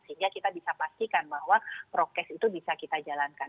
sehingga kita bisa pastikan bahwa prokes itu bisa kita jalankan